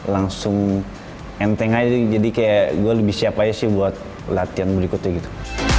langsung enteng aja jadi kayak gue lebih siap aja sih buat latihan berikutnya gitu